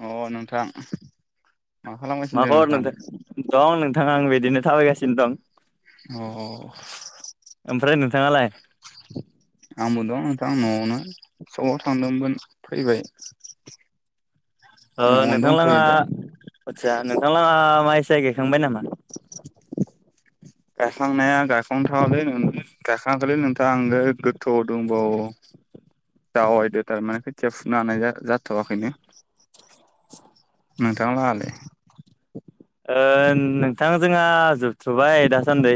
अ नोंथां मा खालामगासिनो मा दं खबर नोंथां नोंथाङालाय? दं नोंथां आं बिदिनो थाबायगासिनो दं। अ अ अ ओमफ्राय नोंथाङालाय? आंबो दं नोंथां न'आवनो सखआव थांदोंमोन फैबाय। ओ न'आवनो नोंथांलाङा दंथ'यो दा आचसा नोंथांलाङा मा साय गायखांबाय नामा? गायखांनाया गायखां थयाखै नों गांखांदोंलै दा आङो गोथौआव दं। औ जावायदो थारमाने खोथिया फुनो हानाय जाथ'वाखैनो। [inaudible] नोंथांलाङालाय? ओ नोंथां जोंहा जोबथ'बाय दासान्दि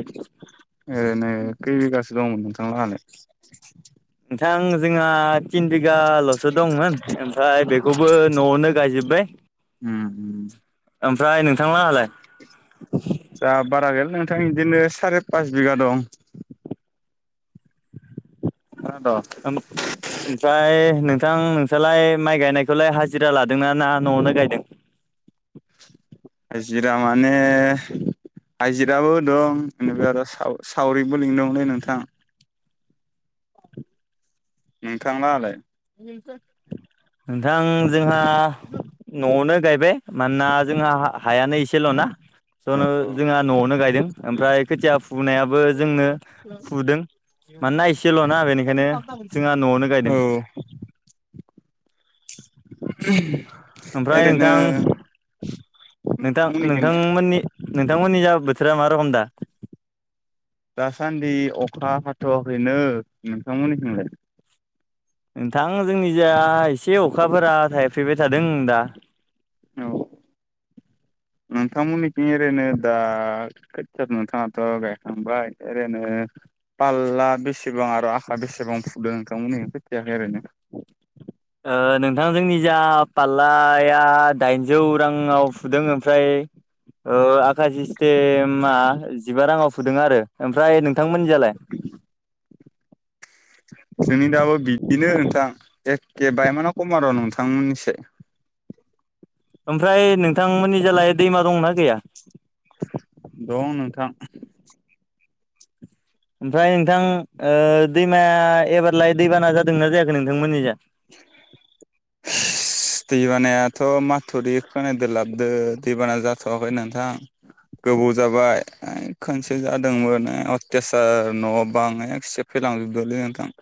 ओरैनो कै बिगासो दं नोंथांलांयालाय? नोंथां जोंहा तिन बिगाल'सो दंमोन ओमफ्राय बेखौबो न'आवनो गायजोब्बाय। ओमफ्राय नोंथांहलांयालाय? जा बारा गैयालै नोंथां बिदिनो सारे पास बिगा दं। खोनादो? [inaudible] ओमफ्राय नोंथां नोंसालाय माइ गायनायखौलाय हाजिरा लादों ना न'आवनो गायदों? हाजिरा माने हाइजिराबो दं बेनिफ्राय आरो साव सावरिबो लिंदोंमोनलै नोंथां। नोंथांलांयालाय? नोंथां जोंहा [inaudible] न'आवनो गायबाय मानोना जोंहा हायानो एसेल'ना। स औ जोंहा न'आवनो गायदों ओमफ्राय खोथिया फुनायाबो जोंनो फुदों मानोना एसेल'ना बेनिखायनो जोंहा न'आवनो औ गायदों। ओमफ्राय ओरैनो नोंथां नोंथां नोंथांमोननिखैलाय नोंथांमोननि नोंथांमोननि जा बोथोरा मा रखम दा? दासान्दि अखा हाथ'वाखैनो नोंथांमोननिथिंलाय? नोंथां जोंनि जा एसे अखाफोरा थायफैबाय थादों दा। औ [unintelligible] नोंथांमोननिथिं ओरैनो दा खैथ नोंथाङाथ गायखांबाय ओरैनो फालला बेसेबां आरो आखा बेसेबां फुदो नोंथांमोननि खोथियाखो एरैनो? ओ नोंथां जोंनि जा फाल्लाया दाइनजौ राङाव फुदों ओमफ्राय औ आखासि सस्टेमा जिबा राङाव फुदों आरो ओमफ्राय नोंथांमोननिजालाय? जोंनि दाबो बिदिनो नोंथां एखे बायमाना खम नोंथांमोननिसे। ओमफ्राय नोंथांमोननि जालाय दैमा दंना गैया? दं नोंथां ओमफ्राय नोंथां ओ दैमाया एबारलाय दैबाना जादोंना जायाखै नोंथांमोननि जा? [inaudible] दैबानायाथ' माथुरि खोनायदो लाबदो दैबाना जाथ'वाखै नोंथां। गोबाव जाबाय ए खनसे जादोंमोन अथेयाचार न' बां एकसेब फोखार लांजोबदोलै नोंथां।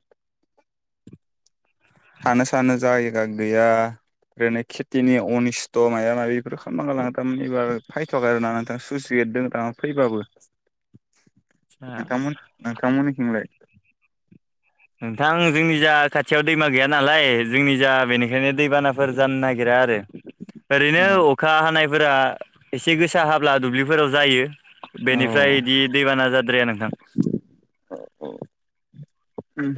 थानो सानो जायगा गैया ओरैनो खेथिनि अनिस्थ' मायबा मायबि बेफोर खालामना गालांथारोमोन एबार फायथ'वाखै आरो ना नोंथां। सुइस गेट दं फैबाबो। [inaudible] नोंथां नोंथांमोननिथिंलाय? नोंथां जोंनि जा खाथियाव दैमा गैया नालाय जोंनि जा बेनिखायनो दैबाना फोर जानो नागिरा आरो। ओरैनो औ अखा हानायफोरा एसे गोसा हाब्ला दुब्लिफोराव जायो। बेनिफ्राय बिदि औ दैबाना जाद्राया नोंथां। औ औ उम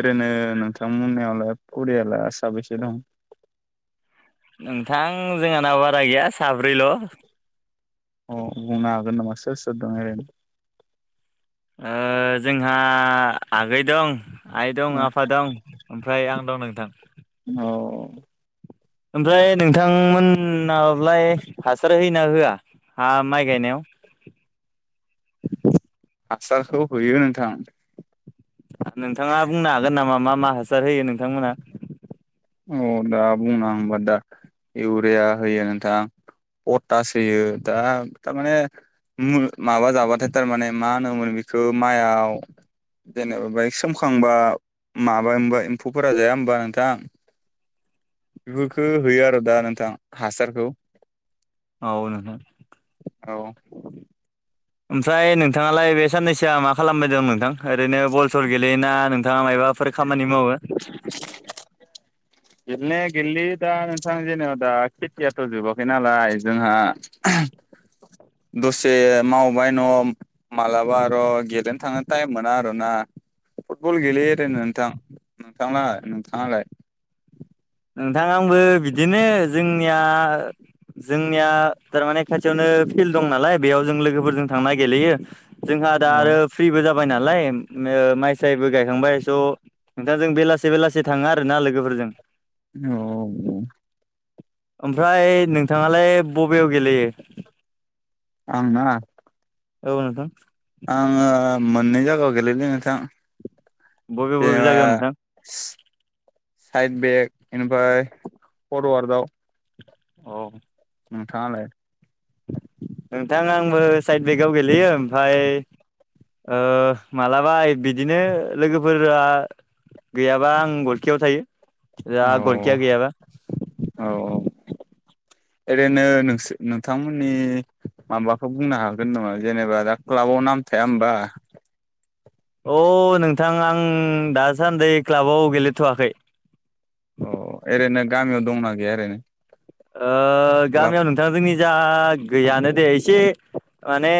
ओरैनो नोंथांमोननियावलाय फरियाला साबैसे दं। नोंथां जोंहानाव बारा गैया साब्रैल' अ बुंनो हागोन नामा सोर सोर दं ओरैनो जोंहा आगै दं। आइ दं आफा दं ओमफ्राय आं दं नोंथां। औ। ओमफ्राय नोंथांमोनलाय हासार हो ना होआ हा माइ गायनायाव? आसारखौ होयो नोंथां। नोंथाङा बुंनो हागोन नामा मा मा हासार होयो नोंथांमोना? दा बुंना हबा दा इउरिया होयो नोंथां। पथास होयो दा माने माबा जाबाथाय दा माने मा होनोमोन बेखौ माइआव जेनेबा बाइक सोमखांबा माबा होनबा एम्फौफोरा जाया होनोमबा नोंथां? बेफोरखौ होयो आरो दा नोंथां हासारखौ औ नोंथां। औ। ओमफ्राय नोंथाङालाय बे साननैसोआ मा खालामबायदोंं नोंथां ओरैनो बल सल गेलेनाय योना नोंथाङा मायबाफोर खामानि मावो? गेलनाया गेललि दा नोंथां जेनेबा दा खेथियाथ' जोबाखै नालाय जोंहा। दसे मावबाय न' मालाबा आरो' गेलेनो थांनो टाइम मोना आरो ना फुटबल गेलेयो ओरैनो नोंथां। नोंथाङा नोंथाङालाय? नोंथां आंबो बिदिनो जोंनिया। जोंनिया थारमाने खाथियावनो फिल्ड दं नालाय बेयाव जों लोगोफोरजों थांनो गेलेयो। जोंहा दा औ आरो फ्रिबो जाबाय नालाय माइसायबो गायखांबाय स' नोंथां जों बेलासे बेलासे थाङा आरोना लोगोफोरजों। औ। ओमफ्राय नोंथाङालाय बबेयाव गेलेयो? आं ना औ नोंथां। आङो मोननै जायगायाव गेलेदों नोंथां बबे बबे जेनेबा जायगायाव नोंथां? साइड बेक बेनिफ्राय फरवार्डआव औ। नोंथाङालाय? नोंथां आंबो साइड बेकआव गेलेयो ओमफ्राय मालाबा बिदिनो लोगोफोरा गैयाबा आं बलखेयाव थायो। जा गलखिया गैयाबा औ औ। ओरैनो नोंसोर नोंथांमोननि माबाखौ बुंनो हागोन नामा जेनेबा दा क्लाबाव नाम थाया होमबा? अ नोंथां आं दासान्दि क्लाबाव गेलेथ'वाखै। ओरैनो गामियाव दंना गैया ओरैनो क्लाब गामियाव नोंथांजों जोंनि जा गैयानो दे एसे माने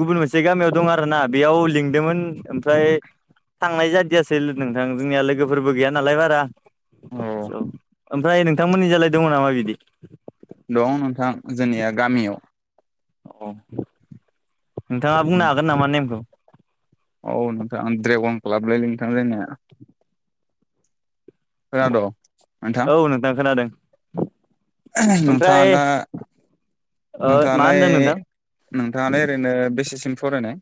गुबुन मोनसे गामियाव दं आरो ना बेयाव लिंदोंमोन ओमफ्राय थांनाय जाद बिदि नोंथां जोंनिया लोगोफोरबो गैया नालाय बारा औ ओमफ्राय नोंथांमोननि जालाय दङ नामा बिदि? दं नोंथां जोंनिया गामियाव औ नोंथाङा बुंनो हागोन नामा नेमखौ। औ नोंथाङा ड्रेगन लाबोलै नोंथां जोंनि खोनाद' औ नोंथां खोनादों ओमफ्राय नोंथाङाला ओ मा नोंथांङालाय होनदों नोंथां नोंथाङा ओरैनो बेसेसिम फरायनाय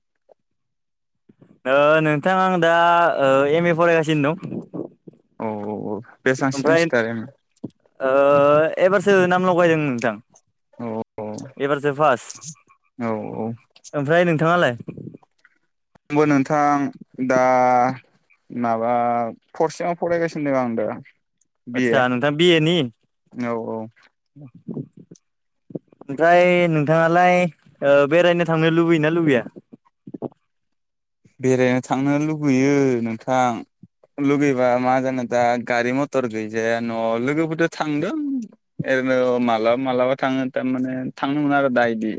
ओ नोंथां आं दा एम ए फरायगासिनो दं औ औ औ बेसांसिम ओमफ्राय सिखारो नोंलाय एबारसो नाम लगायदों नोंथां औ औ एबारसो औ फार्स्ट औ ओमफ्राय नोंथाङालाय आंबो नोंथां दा माबा फर सेमआव फरायगासिनो दं आं दा बि ए आदसा नोंथां बि एनि औ औ ओमफ्राय नोंथाङालाय बेरायनो थांनो लुबैयोना लुबैया बेरायनो थांनो लुुबैयो नोंथां लुगैबा मा जानो दा गारि मथर गैजाया न' लोगोफोरजों थांदों ओरैनो मालाबा मालाबा थाङो थारमाने थांनो मोना आरो दा इदि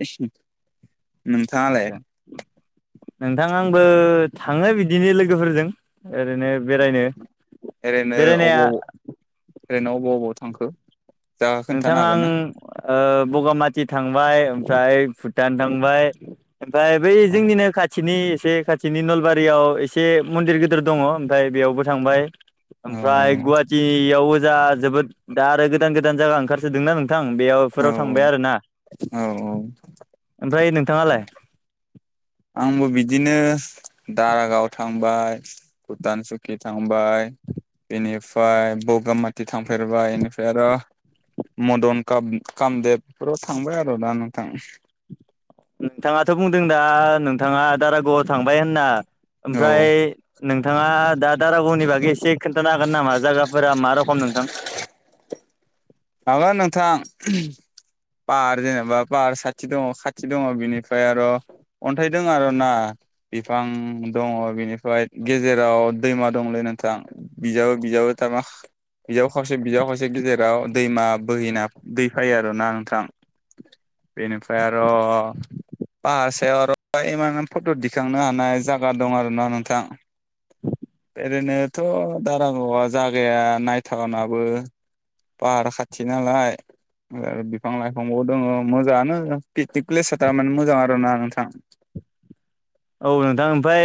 नोंथाङालाय नोंथां आंबो थाङो बिदिनो लोगोफोरजों ओरैनो बेरायनो ओरैनो बेरायनाया अबाव ओरैनो अबाव अबाव थांखो जायगा नोंथां खोन्थानो हागोन ना? आं बगामाथि थांबाय ओमफ्राय भुटान थांबाय ओमफ्राय बै औ जोंनिनो खाथि खाथिनि एसे खाथिनि नलबारियाव एसे मन्दिर गिदिर दङ ओमफ्राय बेयावबो थांबाय औ ओमफ्राय गुवाहाटियावबो जा जोबोद दा आरो गोदान गोदान जायगा ओंखारसोदोंना नों नोंथां बेयावफोराव थांबाय औ आरोना औ औ ओमफ्राय नोंथाङालाय आंबो बिदिनो दारागाव थांबाय थांबाय भुटान सुकि थांबाय बेनिफ्राय बगामाथि थांफेरबाय बेनिफ्राय आरो मदन काम कामदेबफोराव थांबाय आरो दा नोंथां नोंथाङाथ' बुंदों दा नोंथाङा दारागावआव थांबाय होनना औ ओमफ्राय नोंथाङा दा दारागावनि बागै एसे खोन्थानो हागोन नामा जायगाफोरा मा रखम नोंथां हागोन नोंथां पाहार जेनेबा पाहार साथि दङ खाथि दङ बिनिफ्राय आरो अन्थाइ दं आरोना बिफां दङ बिनिफ्राय गेजेराव दैमा दंलै नोंथां बिजाबो बिजाबो थारमा बियाव खावसे बियाव खावसे गेजेराव दैमा बोहैना दै फायो आरोना नोंथां बेनिफ्राय आरो भाहार सायाव आरो इमान फट' दिखांनो हानाय जायागा दं आरो ना नोंथां ओरैनोथ' दारागावा जागाया नायथावनाबो पाहार खाथि नालाय आरो बिफां लाइफांबो दङो मोजाङानो पिकनिक प्लेसआ थारमाने मोजां आरो ना नोंथां औ नोंथां ओमफ्राय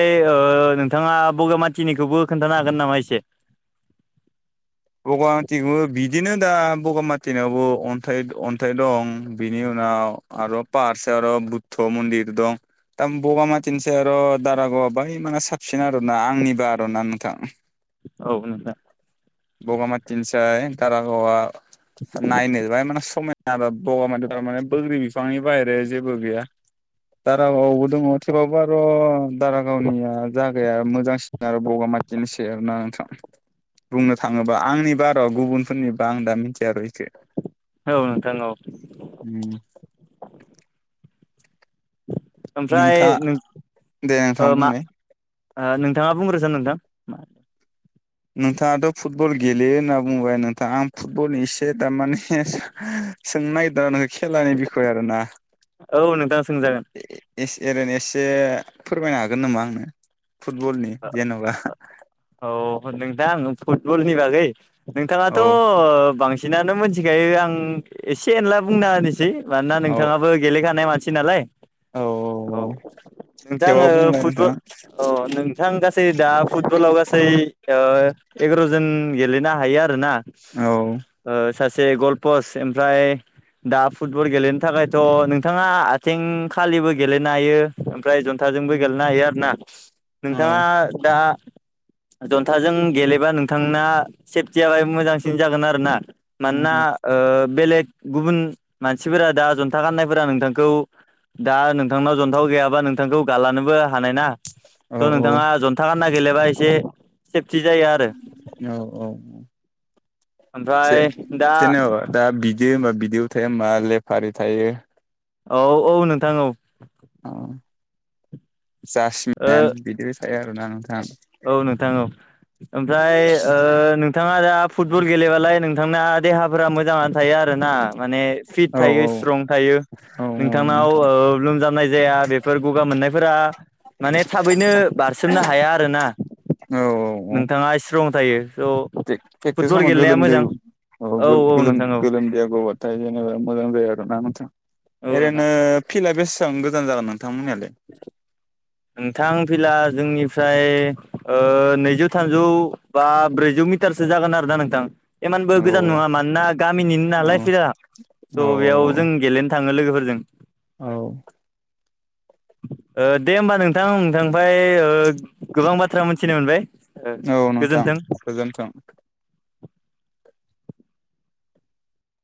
नोंथाङा बगामाथिनिखौबो खोन्थानो हागोन नामा एसे बगामाथिखौबो बिदिनो दा बगामाथिनावबो अन्थाइ अन्थाइ दं बिनि उनाव आरो पाहार सायाव आरो बुद्ध मन्दिर दं दा बगामाथिनिसै आरो दारागावआ बै मा साबसिन आरो ना आंनिबा आरोना नोंथां औ नोंथाङा बगामाथिनिसै दारागावआ नायनो बाङाइ माने समा ना बगामाथियाव थार माने बोग्रि बिफांनि बाहेरा जेबो गैया दारागाआवबो दङ थेवबाबो आर दारागावनिया जागाया मोजांसिन आरो बगामाथिनिसै आरो ना नोंथां बुंनो थाङोबा आंनिबा र' गुबुनफोरनिबा आं दा मिथिया र' इसे औ नोंथां औ उम ओमफ्राय नोंथाङा नों दे नोंथां मा बुंनाय नोंथाङा बुंग्रोसन नोंथां नोंथाङाथ' फुटबल गेलेयो होनना बुंबाय नोंथां आं फुटबल एसे थारमाने सोंनो नागिरदों नों खेलानि बिखय आरोना औ नोंथां सोंजागोन ए ओरैनो एसे फोरमायनो हागोन नामा आंनो फुटबलनि जेन'बा औ नोंथां फुटबलनि बागै नोंथाङाथ' औ बांसिन नानो मोनथिखायो आं एसे एनला बुंना होनोसै मानोना औ नोंथाङाबो गेलेखानाय मानसि नालाय औ औ नोंथां थेवबाबो ओ बुंलाय फुटबल नोंथां अ नों बिथां गासै दा फुटबलाव गासै एगार'जोन गेलेनो हायो आरोना औ सासे गलपस्ट ओमफ्राय दा फुटबल गेलेनो थाखायथ' नोंथाङा आथिंखालिबो गेलेनो हायो ओमफ्राय जन्थाजोंबो गेलेनो हायो आरोना औ नोंथाङा दा जन्थाजों गेलेबा नोंथांना सेफटियाहाय मोजांसिन जागोन आरो ना मानोना बेलेग गुबुन मानसिफोरा दा जन्था गाननायफोरा नोंथांखौ दा नोंथांनाव जन्था गैयाबा नोंथांखौ गालानोबो हानाय ना औ स' नोंथाङा जन्था गानना गेलेबा एसे सेफटि जायो आरो औ औ से ओमफ्राय दा जेनेबा दा बिदि होनबा बिदैयाव थाया मा लेफारि थायो औ औ नोंथां औ औ ओ जासमेन बिदिबो थायो आरोना नोंथां औ नोंथां औ ओमफ्राय नोंथाङा दा फुटबल गेलेबालाय नोंथांना देहाफोरा मोजाङानो थायो आरोना माने फिट औ थायो स्ट्रं थायो औ नोंथांनाव नोंथां लोमजानाय जाया बे बेफोर गगा मोननायफोरा माने थाबैनो बारसोमनो हाया आरोना औ औ नोंथाङा स्ट्रं थायो स' प्रेकटिस फुटबल गेलेनाया गोलोमदै मोजां औ गोल नोंथां औ गोलोमदै आ गगोन नाथाय जेनेबा मोजां जायो आरोना नोंथां औ नोंथां ओरैनो फिल्डआ बेसेबां गोजान जागोन नोंथांमोननियालाय [inaudible] नोंथां फिला जोंनिफ्राय नैजौ थामजौ बा ब्रैजौ मिटारसो जागोन आरो ना नोंथां एमानबो औ गोजान नङा मानोना गामिनि औ नालाय फिला औ स' बेयाव जों गेलेनो थाङो लोगोफोरजों औ दे होमबा नोंथां नोंथांनिफ्राय गोबां बाथ्रा मोनथिनो मोनबाय गोजोन्थों गोजोनथों